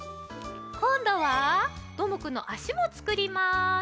こんどはどーもくんのあしもつくります。